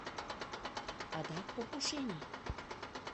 — Адак покушений?